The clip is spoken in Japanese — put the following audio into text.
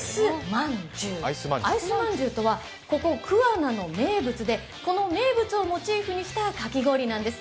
アイス饅頭とはここ桑名の名物でこの名物をモチーフにしたかき氷なんです。